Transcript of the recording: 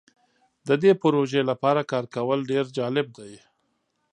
د دې پروژې لپاره کار کول ډیر جالب دی.